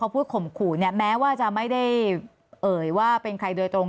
พูดข่มขู่เนี่ยแม้ว่าจะไม่ได้เอ่ยว่าเป็นใครโดยตรง